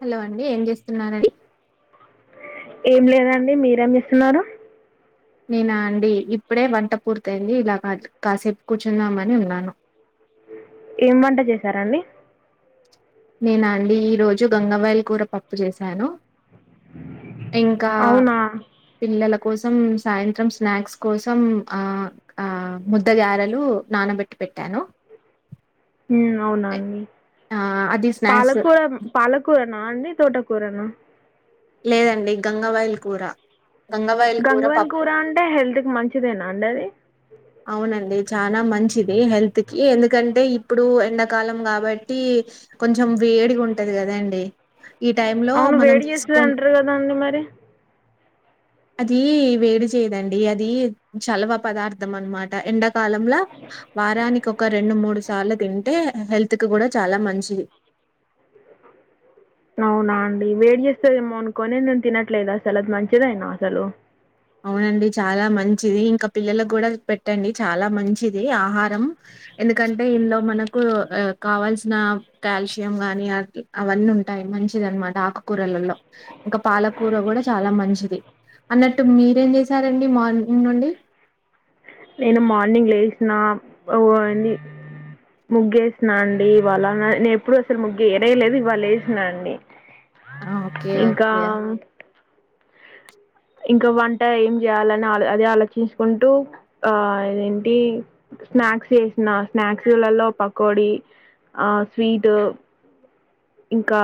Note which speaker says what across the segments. Speaker 1: Hello అండి ఏం చేస్తున్నారండి
Speaker 2: ఏం లేదండి మీరేమి చేస్తున్నారు
Speaker 1: నేనా అండి ఇప్పుడే వంట పూర్తయింది ఇలా బాట్ కాసేపు కూర్చుందామని ఉన్నాను
Speaker 2: ఏం వంట చేశారండి
Speaker 1: నేనా అండి ఈరోజు గంగవాయిల్ కూర పప్పు చేశాను ఇంకా
Speaker 2: అవునా
Speaker 1: పిల్లల కోస సం సాయంత్రం స్నాక్స్ కోసం ఆ ఆ ముద్ద గారెలు నానబెట్టి పెట్టా ను
Speaker 2: ఉమ్ అవునా అండి
Speaker 1: అది స్నాక్స్
Speaker 2: పాలకూర పాలకూర నా అండి తోట కూరన
Speaker 1: లేదండి గంగవాయిల్ కూర
Speaker 2: గంగవాయిల్ కూర అంటే హెల్త్ కి మంచిదేనా అండి అది
Speaker 1: అవునండి చానా మంచిది హెల్త్ కి ఎందు కంటే ఇప్పుడు ఎండకాలం కాబట్టి కొంచెం వేడిగా ఉంటది కదండీ ఈ టైం లో మనం తీసుకున్
Speaker 2: టే
Speaker 1: అదీ వేడి చేయదండి అదీ చలవ పదార్థం అన్నమాట ఎండక కాలంల వారానికి ఒక రెండు మూడు సార్ల తింటే హెల్త్ ల్త్ గుడ చాలా మంచిది
Speaker 2: అవునా అండి వేడి చేస్తదేమో అనుకొని నేను తినట్లేదు అసలు అది మంచిదేనా అసలు
Speaker 1: అవున వును అండి చాలా మంచిది ఇంకా పిల్లలకు కూడా పెట్టండి చాలా మంచిది ఆహారం ఎందుకంటే ఇందులో మనకు ఆ కావాల్సిన కాల్షియం గానీ అవి అవన్నీ ఉంటాయి మంచిదనమాట ఆకుకూరలల్లో ఇంకా పాలకూర కూడా చాలా మంచిది అన్నట్ టు మీరేం చేశారండి మార్నింగ్ నుండి
Speaker 2: నేను మార్నింగ్ లేసిన ఓ వో ముగ్గేసిన అండి ఇవాళ నా నేనెప్పుడు అసలు ముగ్గు ఎయనే లేదు ఇవాళ్ళ ఏసిన అండి
Speaker 1: ఆ! ఓకే.
Speaker 2: ఇంకా
Speaker 1: ఓకే.
Speaker 2: ఇంకా వంట ఏం చేయాలని ఆలో అదే ఆలోచించుకుంటూ ఆ ఇదేంటి స్నాక్స్ చేసిన స్నాక్స్లలో పకోడి ఆ స్వీటు ఇంకా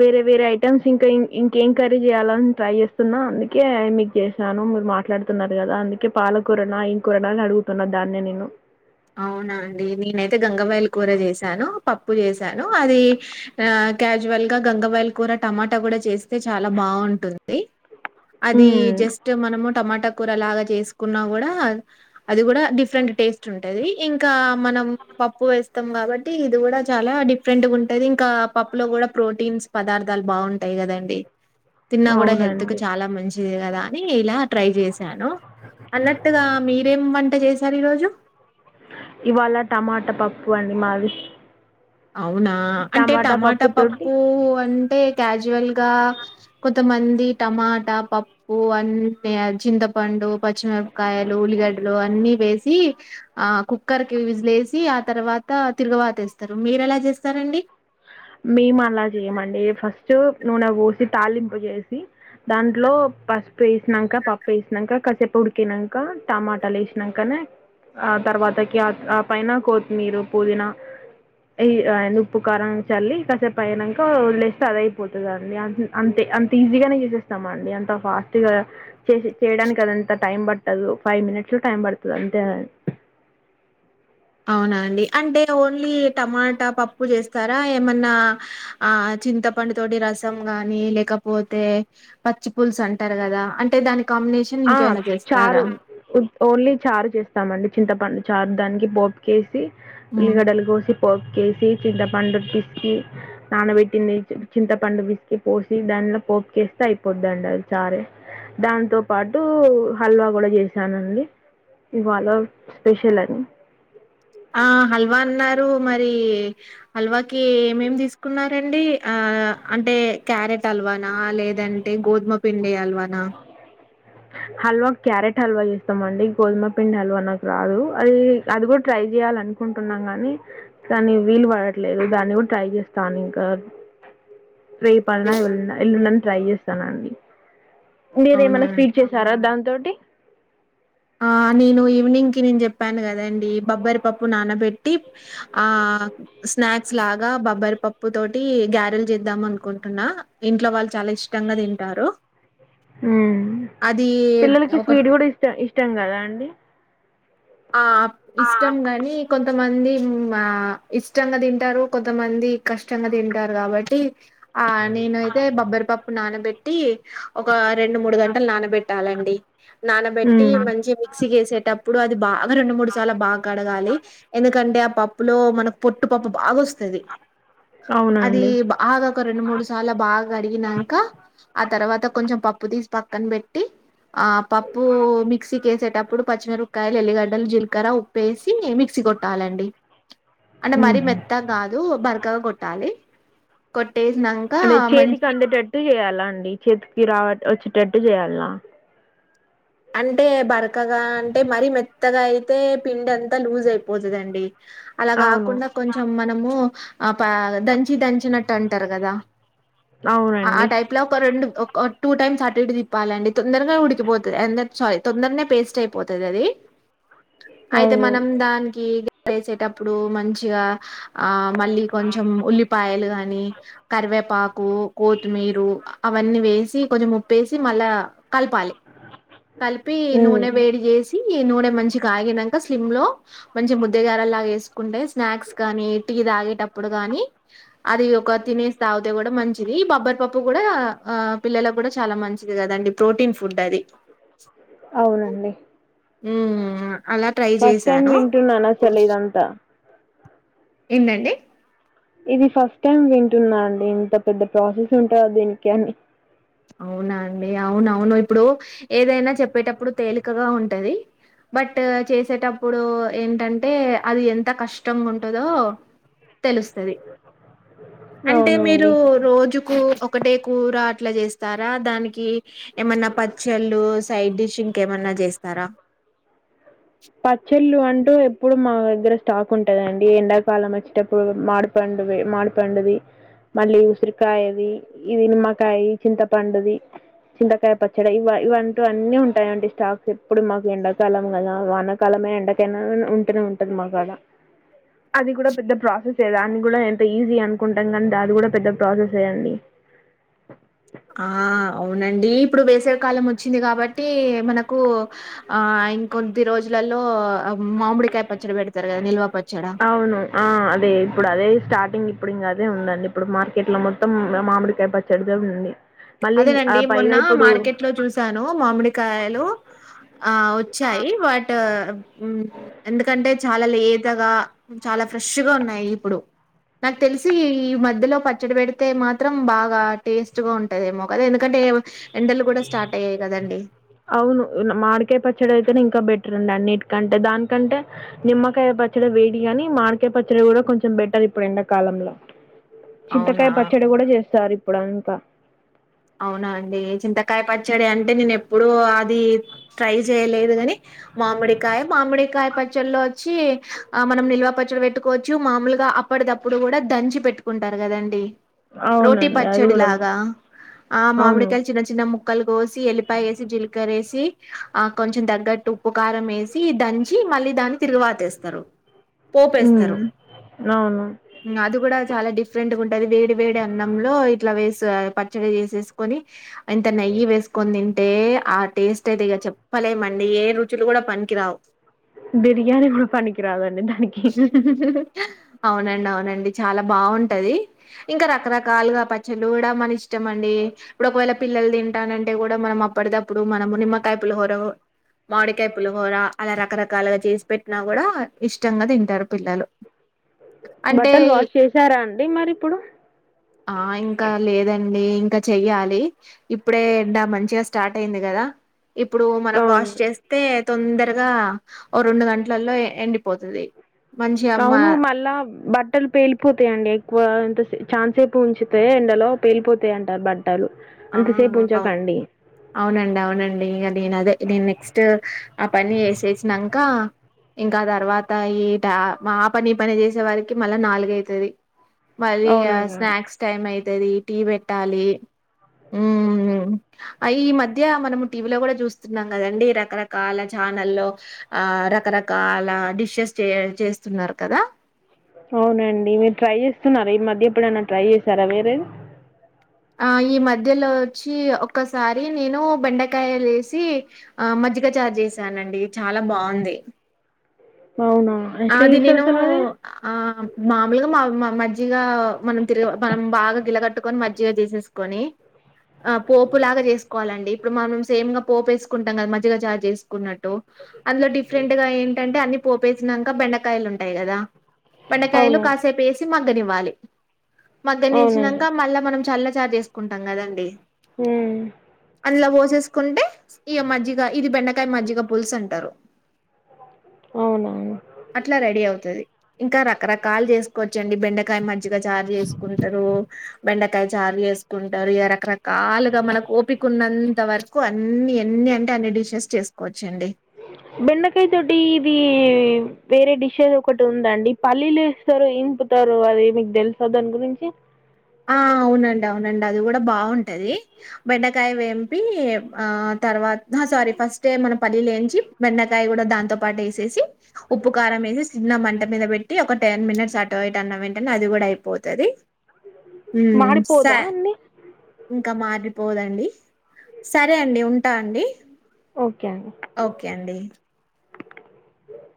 Speaker 2: వేరే వేరే ఐటెమ్స్ ఇంకా ఇంకేం కర్రి చేయ్యాలని ట్రై చేస్తున్నా అందుకే మీకు చేసిన నాను మీరు మాట్లాడుతున్నారు కదా అందుకే పాలకూరనా ఏం కూరనా అని అడుగుతున్నా దాన్నే నేను
Speaker 1: అవునా అండి. నేనైతే గంగవాయల కూర చేసాను పప్పు చేసాను అది ఆ క్యాజువల్ గా గంగావైల్ కూర టమాటా కూడా చేస్తే చాలా బాగుంటుంది అది
Speaker 2: మ్మ్
Speaker 1: జస్ట్ మనము టమాటా కూర లాగా చేసుకున్నా కూడా అది గుడ డిఫరెంట్ టేస్ట్ ఉంట్ టది ఇంకా మనం పప్పు వేస్తం కాబట్టి ఇది గుడ చాలా డిఫరెంట్ గుంటది ఇంకా పప్ పప్పు లో గుడ ప్రోటీన్స్ పదార్థాలు బాగుంటయి కదండి తిన్నాకుడ హెల్త్ కు
Speaker 2: అవునండి
Speaker 1: చాలా మంచిది కదా అని ఇలా ట్రై చేస సాను అన్నట్టుగా మీరేం వంట చేశారు ఈ రోజు
Speaker 2: ఇవాళ టమాటా పప్పు అండి మాది
Speaker 1: అవునా అంటే టమాటా పప్పు అంటే క్యాజు జువల్ గా కొంతమంది టమాటా పప్పు అంటే చింతపండు పచ్చిమిరపకాయలు ఉల్లిగడ్డలు అన్ని వేసి ఆ కుక్కర్ కి విజిలేసి ఆ తర్వాత త తిరుగువాతేస్తరు మీరెలా చేస్తరండి
Speaker 2: మేము అలా చేయమండి ఫస్ట్ నూనె పోసి తళింపు చేసి దాంట్లో పసుపు ఏసినంక పప్పు ఏసినంక కసేపు ఉడికినంక టమాటాలు ఏసినంకనే ఆ తర్వాతకి ఆ ఆ పైన కోతిమీరు పుదీనా ఇయ్ ఏంది ఉప్పు కారం చల్లి కసేపు అయినంక వదిలేస్తే అది అదైపోతదండి అం అంతే అంత ఈజీగానే చూసేస్తామండి అం త ఫాస్ట్గా చేయడానికి అదంత టైం పట్ టదు ఫైవ్ మినిట్స్ లో టైం పడతది అంతే అం
Speaker 1: అవునా అండి అంటే నువు ఓన్లీ టమాటా పప్పు చేస్తారా ఏమన్నా ఆ చింతపండు తోటి రసం గాని లేకపోతే పచ్చి పుల్సు అంటారు కదా అంటే దానికి కాంబినేషన్
Speaker 2: ఆ
Speaker 1: ఇంకేమాన్న
Speaker 2: చారు
Speaker 1: చేస్తారా
Speaker 2: ఉత్ ఓన్లీ చారు చేస్తామండి చింతపండు చారు దానికి పోప్ కేసి
Speaker 1: హ్మ్.
Speaker 2: ఉల్లిగడ్డలు కోసి పోప్ కేసి చింతపండు పిసికి నానబెట్టింది చింతపండు పిసికి పోసి దానిలో పోపుకేస్తే అయిపోదిండి అది చారే దాంతో పాటు హల్వా కూడా చేసానండి ఇవాల స్పెషల్ అని
Speaker 1: ఆ హల్వా అన్నారు మరి హల్వాకి ఏమేమి తీసుకున్నారండి ఆ అంటే క్యారెట్ ఆల్వానా లేదంటే గోధుమ పిండి అల్వానా
Speaker 2: హల్వా క్యారెట్ హల్వా చేస్తామండి గోధుమ పిండి హల్వా నాకు రాదు అది అది కూడా ట్రై చేయాల అనుకుంటున్నాం కాని దాన్ని వీలు పడట్లేదు దాన్ని కూడా ట్రై చేస్తాను ఇంకా రేపు అన్న ఎల్లుండి అన్న ట్రై చేస్తానండి మీరు
Speaker 1: అవునా
Speaker 2: ఏమైనా స్వీట్ చేసారా దాని తోటి
Speaker 1: ఆ నేను ఈవినింగ్ కి నేను చెప్పాను కదండి బబ్బరి పప్పు నానబెట్టి ఆ స్నాక్స్ లాగా బబ్బరి పప్పు తోటి గారెలు చేద్దాం అనుకుంటున్నా ఇంట్లో వాళ్ళు చాలా ఇష్టంగా తింటారు
Speaker 2: హు
Speaker 1: అది
Speaker 2: పిల్లలకి
Speaker 1: ఒక
Speaker 2: స్వీట్ కూడా ఇష్ట ఇష్టం కదా అండి
Speaker 1: ఆ ఇష్టం గాని కొంతమంది ఊ ఇష్టంగా తింటారు కొంతమంది కష్టంగా తింటారు కాబట్టి ఆ నేనైతే బబ్బరిపప్పు నానబెట్టి ఒక రెండు మూడు గంటలు నానబెట్టాలండి నానబెట్టి
Speaker 2: హ్మ్
Speaker 1: మంచిగా మిక్సీ చేసేటప్పుడు అది బాగా రెండు మూడు సార్లు బాగా కడగాలి ఎందుకంటే ఆ పప్పు లో మనకు పొట్టు పప్పు బాగా వస్తది అది
Speaker 2: అవునండి
Speaker 1: బాగా ఒక రెండు మూడు సార్లు బాగా అడిగినంక ఆ తర్వాత కొంచెం పప్పు తీసి పక్కన పెట్టి ఆ పప్పు మిక్సీ కేేసేటప్పుడు పచ్చిమిరప ఏల్లిగడ్డలు, జీలకర్ర ఉప్పేసి మిక్సీ కొట్టాలండి అంటే మరీ
Speaker 2: మ్మ్
Speaker 1: మెత్తగా కాదు బరకగా కొట్టాలి కొ
Speaker 2: అది చేతికి అందేటట్టు చేయాలా అండి చేతికి రావ వచ్చేటట్టు చేయాలా
Speaker 1: అంటే బరకగా అంటే మరి మెత్తగా అయితే పిండి అంత లూజ్ అయిపోతుందండి అలా
Speaker 2: అవును
Speaker 1: కాకుండా కొంచెం మనము ఆ పా దంచి దంచినట్టు అంటారు కదా ఆ
Speaker 2: అవునండి
Speaker 1: టైప్ లో ఒక రెండు ఒక టూ టైమ్ అటు ఇటు తిప్పాలండి తొందరగా ఉడికిపోతది ఎంద ఛాయిస్ తొందరనే పేస్ట్ అయిపోతది ఆది అయితే
Speaker 2: అవును
Speaker 1: మనం దానికి వేసేటప్పుడు మంచిగా ఆ మళ్ళీ కొంచెం ఉల్లిపాయలు గానీ కరివే వేపాకు కొత్తిమీరు అవన్నీ వేసి కొంచెం ఉప్పేసి మళ్ళా కలపాలి కలిపి
Speaker 2: హ్మ్
Speaker 1: నూనె వేడి చేసి నూనె మంచి కాగినంక స్లిమ్ లో మంచి ముద్దగార లా వేసుకుంటే స్నాక్స్ కానీ టీ తాగేటప్పుడు అప్పుడు కాని అది ఒక తినేసి తాగితే కూడా మంచిది బబ్బర్ పప్పు కూడా ఆ పిల్లల లకు కూడా చాలా మంచిది కదండి ప్రోటీన్ ఫుడ్ అది
Speaker 2: అవునండి
Speaker 1: మ్మ్ అలా ట్రై
Speaker 2: ఫస్ట్ టైమ్
Speaker 1: చేశాను
Speaker 2: వింటున్నా అసలు ఇదంతా
Speaker 1: ఏందండి
Speaker 2: ఇది ఫస్ట్ టైమ్ వింటున్నా అండి ఇంత పెద్ద ప్రాసెస్ ఉంటుంద దీనికి అని
Speaker 1: అవును ఇప్పుడు ఏదైనా చెప్పేటప్పుడు తేలికగా ఉంటది బట్ చేసేటప్పుడు ఏంటంటే అది ఎంత కష్టంగా ఉంటదో తెలుస్తది అంటే మీరు
Speaker 2: అవునండి
Speaker 1: రోజుకు ఒకటే కూర అట్లా చేస్తారా దానికి ఏమన్నా పచ్చళ్ళు సైడ్ డిష్ ఇంక ఏమన్నా చేస్తారా
Speaker 2: డు ఎప్పుడు మా దగ్గర స్టాక్ ఉంటదండి ఎండాకాలం వచ్చేటప్పుడు మామీడి పండు మామీడి పండుది మళ్ళీ ఉసిరికాయది ఇది నిమ్మకాయ చింతపండుది చింతకాయ పచ్చడ ఇవ ఇవంటు అన్నీ ఉంటాయండి స్టాక్స్ ఎప్పుడు మాకు. ఎండకాలం కదా వాన కాలమే ఎండకైనా ఉంటూనే ఉంటది మాకాడ. అది కూడా పెద్ద ప్రాసెసే. దాన్ని కూడా ఎంత ఈజీ అనుకుంటాం కానీ అది కూడా పెద్ద ప్రాసెసే అండి.
Speaker 1: ఆ అవునండి ఇప్పుడు వేసవి కాలం వచ్చింది కాబట్టి మనకు ఆ ఇంకొద్ది రోజులలో మామిడికాయ పచ్చడి పెడతరు కదా నిల్వ పచ్చడి.
Speaker 2: అవును ఆ అదే ఇప్పుడు అదే స్టార్టింగ్ ఇప్పుడు ఇంగా అదే ఉందండి. ఇప్పుడు మార్కెట్ లో మొత్తం మామిడికాయ పచ్చడిదే ఉంది. మళ్ళీ ఆ
Speaker 1: అదేనండి మొన్న
Speaker 2: పైగా ఇప్పుడు
Speaker 1: మార్కెట్ లో చూసాను మామిడికాయలు. ఆ వచ్చాయి బట్ ఎందుకంటే చాలా లేతగా చాలా ఫ్రెష్ గా ఉన్నా నయి ఇప్పుడు. నాకు తెలిసి ఈ మధ్యలో పచ్చడి పెడితే మాత్రం బాగా టేస్ట్ గా ఉం టాయేమో కదా ఎందుకంటే స్టార్ట్ అయ్యాయి గదండీ.
Speaker 2: అవును మామిడికాయ పచ్చడి అయితనే ఇం కా బెటర్ అండి అన్నిటికంటే. దానికంటే నిమ్మకాయ పచ్చడి వేడిగాని మాడికాయ పచ్చడి కూడా కొంచెం బెటర్ ఇప్పుడు ఎండాకాలంలో. చింతకాయ
Speaker 1: అవునా!
Speaker 2: పచ్చడి కూడా చేస్తారు ఇప్పుడు అంతా
Speaker 1: అవునా అండి చింతకాయ పచ్చడి అంటే నేను ఎప్పు ప్పుడు అది ట్రై చేయలేదు గాని. మామిడికాయ మామిడికాయ పచ్చల్లో వచ్చీ ఆ మనం నిల్వ పచ్చడి పెట్టుకోవచ్చు. మామలుగా అప్పటిదప్పుడు కూడా దంచి పెట్టుకుంటారు కదండి. రోటీ
Speaker 2: అవునండి అది కూడా
Speaker 1: పచ్చడిలాగా ఆ
Speaker 2: అవును
Speaker 1: మామిడికాయ చిన్న చిన్న ముక్కలు కోసి ఎల్లిపాయ ఏసి, జీలకర్రేసి ఆ కొంచెం తగ్గట్టు ఉప్పు కారం ఏసి దం చి మళ్ళీ దాన్ని తిరుగువాతేస్తరు. పోపేస్తరు.
Speaker 2: ఉమ్ అవును
Speaker 1: అది కూడా చాలా డిఫ డిఫరెంట్ గా ఉంటది. వేడి వేడి అన్నంలో ఇట్లా వేసి పచ్చడి చేేసేసుకొని యింత నెయ్యి వేస్కొని తిం అంటే ఆ టేస్ట్ అయితే ఇగ చెప్పలేమండి. ఏ రుచులు కూడా పనికిరావు.
Speaker 2: బిర్యానీ కూడా పనికిరాదు అండి దానికి.
Speaker 1: అవునండి అవునండి చాలా బావుంటది. ఇంకా రకరకాలుగా పచ్చళ్ళు కూడా మన ఇష్ట ష్టంమండి. ఇప్పుడు ఒకవేళ పిల్లలు తింటానంటే కూడా మనం అప్పటిదప్పుడు మనము నిమ్మకాయపులిహోర మామిడికాయ పులిహోర అలా రకరకాలుగా చేసి పెట్టినా కూడా ఇష్టంగా తింటరు పిల్లలు. అంటే
Speaker 2: బట్టలు వాష్ చేసారా అండి మరి ఇప్పుడు
Speaker 1: ఆ ఇంకా లేదం ండి ఇంకా చెయ్యాలి. ఇప్పుడే ఎండా మంచిగా స్టార్ట్ అయింది కదా. ఇప్పుడు మనం వాష్
Speaker 2: అవును
Speaker 1: చేస్తే తొందరగా ఓ రెండు గంటలల్లో ఎండి పోతది.
Speaker 2: అవును మళ్ళా బట్టలు పేలిపోతయండి ఎక్కువ అంత సేపు ఛాన్స్ సేపు ఉంచితే ఎండలో పేలిపోతయంటా బ
Speaker 1: ఆ
Speaker 2: అంతసేపు
Speaker 1: అవు
Speaker 2: ఉంచకండి.
Speaker 1: అవునండి అవునండి ఇగా నేను అదే నేను నెక్స్ట్ ఆ పని చేసేసినంకా ఇంకా తర్వాత ఈట ఆ పని పని చేసే వారికి మళ్ళా నాలుగైతది. మళ్ళీ ఇగా
Speaker 2: అవునయ్యా
Speaker 1: స్నాక్స్ టైమ్ అయితది టీ పెట్టాలి హుహ్ ఈ మధ్య మనము టీవీలో కూడా చూస్తున్నాం కదండి రకరకాల ఛానల్లో ఆ రకరకాల డిషెస్ చే చేస్తున్నారు కదా.
Speaker 2: అవునండి మీరు ట్రై చేస్తున్నారా ఈ మధ్య ఎప్పుడన్నా ట్రై చేశారా వేరేవి.
Speaker 1: ఆ ఈ మధ్యలో వచ్చి ఒక్కసారి నేను బెండకాయలు వేసి ఆ మజ్జిగ చారు చేశానండి చాలా బాగుంది.
Speaker 2: అవునా ఎట్లా చేస్తారు
Speaker 1: అదినేను
Speaker 2: అసలు అది
Speaker 1: ఆ మామూలుగా మా మజ్జిగా మనం తిరిగ మనం బాగా గిలగట్టు కొని మజ్జిగా చేసేసుకొని ఆ పోపులాగా చేసుకోవాలండి. ఇప్పుడు మనం సేమ్ గా పోపేసుకుంటాం కదా మజ్జిగా చారు చేసుకున్నట్టు. అందులో డిఫరెంట్ గా ఏంటంటే అన్ని పోపే బెండకాయలు ఉంటాయి కదా బెండకాయలు
Speaker 2: అవును
Speaker 1: కాసేపు వేసి మగ్గనివ్వాలి మగనించినాక
Speaker 2: అవునండి
Speaker 1: మళ్ళా మనం చల్ల చార్ చేసుకుంటాం కదండి
Speaker 2: మ్మ్మ్మ్
Speaker 1: అందులో పోసేసుకుంటే ఇక మజ్జిగ ఇది బెండకాయ మజ్జిగ పులుసు అంటారు
Speaker 2: అవునా
Speaker 1: అట్లా రెడీ అవుతది ఇంకా రకరకాలు చేసుకోవచ్చండి బెండకాయ మజ్గా జారు చేసుకుంటారు బెండకాయ జారు చే సుకుంటారు ఏరా రకరకాలుగా మనకు ఓపిక ఉన్నంత వరకు అన్ని అన్ని అంటే అన్ని డిషెస్ చేసుకోవచ్చు
Speaker 2: బెండకాయ తోటి ఇది వేరే డిషెస్ ఒకటి ఉందండి పల్లీలు వేస్తారు ఇంపుతారు అది మీకు తెలుసా దాని గురించి
Speaker 1: ఆ అవునండి అవునండి అది కూడా బాగుంటది బెండకాయ వేంపి ఆ తర ఆ సారీ ఫస్ట్ ఆ మన పల్లీలు వేయించి బెండకాయ కూడా దాంతో పాటు వేసేసి ఉప్పు కారం చిన్న మంట మీద పెట్టి ఒక టెన్ మినిట్స్ అటోవట్ అన్న వెంటనే అది కూడా అయిపోతుంది స
Speaker 2: మాడిపోదా అండి
Speaker 1: ఇంకా మారి పోదండి సరే అండి ఉంటా అండి
Speaker 2: ఓకే అండి
Speaker 1: ఓకే అండి